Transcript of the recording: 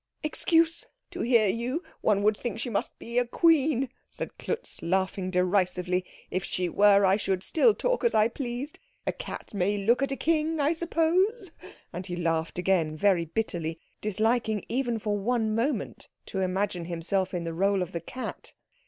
"Excuse! To hear you, one would think she must be a queen," said Klutz, laughing derisively. "If she were, I should still talk as I pleased. A cat may look at a king, I suppose?" And he laughed again, very bitterly, disliking even for one moment to imagine himself in the rôle of the cat.